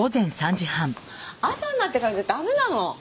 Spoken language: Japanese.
朝になってからじゃダメなの？